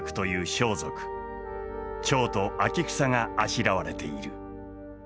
蝶と秋草があしらわれている。